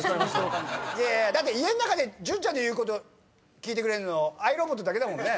だって家の中で潤ちゃんの言うこと聞いてくれるのｉＲｏｂｏｔだけだもんね。